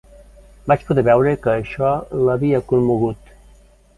Vaig poder veure que això l'havia commogut.